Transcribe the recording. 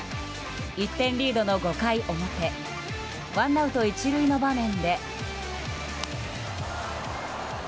１点リードの５回表ワンアウト１塁の場面で。